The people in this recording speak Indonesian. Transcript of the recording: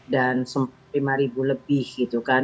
dan rp lima lebih gitu kan